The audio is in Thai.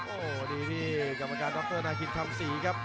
โอ้โหดีที่กรรมการดรนาคินคำศรีครับ